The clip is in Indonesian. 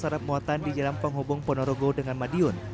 ada pemuatan di jalan penghubung ponorogo dengan madiun